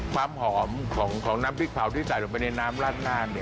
ความหอมของน้ำพริกเผาที่ใส่ลงไปในน้ำราดหน้า